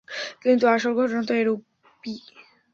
কিন্তু আসল ঘটনা তো এরূপই।